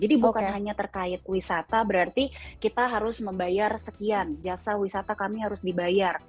jadi bukan hanya terkait wisata berarti kita harus membayar sekian jasa wisata kami harus dibayar